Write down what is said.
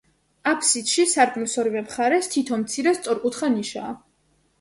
აფსიდში, სარკმლის ორივე მხარეს, თითო მცირე, სწორკუთხა ნიშაა.